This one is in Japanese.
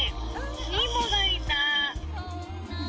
ニモがいた。